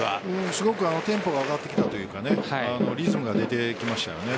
すごくテンポが上がってきたというかリズムが出てきましたよね